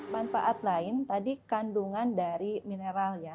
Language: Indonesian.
manfaat lain tadi kandungan dari mineral ya